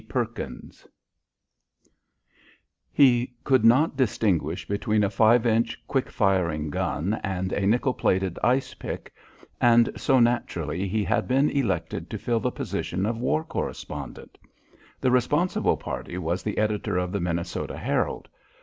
PERKINS He could not distinguish between a five inch quick firing gun and a nickle plated ice pick, and so, naturally, he had been elected to fill the position of war correspondent. The responsible party was the editor of the "Minnesota Herald."